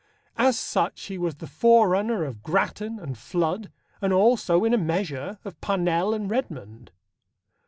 As such he was the forerunner of Grattan and Flood, and also, in a measure, of Parnell and Redmond.